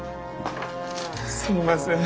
すみません。